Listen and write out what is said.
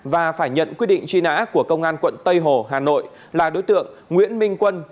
và phải nhận quyết định truy nã của công an quận tây hồ hà nội là đối tượng nguyễn minh quân